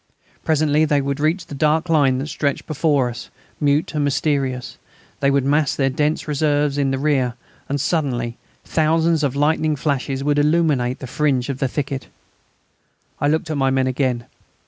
Presently they would reach the dark line that stretched before us, mute and mysterious; they would mass their dense reserves in the rear, and suddenly thousands of lightning flashes would illuminate the fringe of the thicket. I looked at my men again.